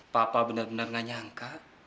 papa bener bener gak nyangka